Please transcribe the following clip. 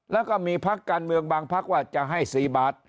แล้วก็มีพักการเมืองบางพักว่าจะให้๔บาท